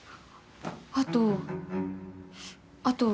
あとあと。